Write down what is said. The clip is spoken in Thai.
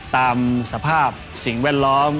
ตามสภาพสิ่งแวดล้อม